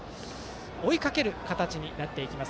追いかける形になっていきます